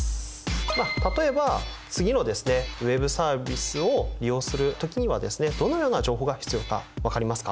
例えば次のＷｅｂサービスを利用する時にはですねどのような情報が必要か分かりますか？